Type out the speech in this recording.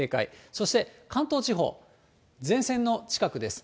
そして関東地方、前線の近くです。